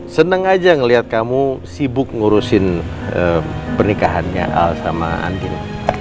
senang aja ngeliat kamu sibuk ngurusin pernikahannya al sama andin